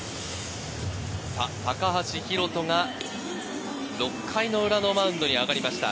高橋宏斗が６回裏のマウンドに上がりました。